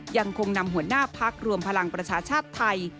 ยังคงนำหัวหน้าพักรวมพลังประชาชาติไทย